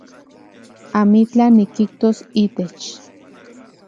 Amitlaj nikijtos itech